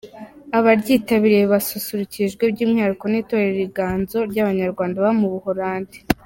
Abaryitabiriye basusurukijwe by’umwihariko n’Itorero Inganzo ry’abanyarwanda baba mu Buholandi.